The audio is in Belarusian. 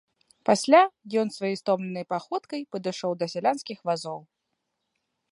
Пасля ён сваёй стомленай паходкай падышоў да сялянскіх вазоў.